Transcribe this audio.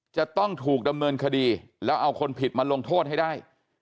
จะต้องถูกดำเนินคดีแล้วเอาคนผิดมาลงโทษให้ได้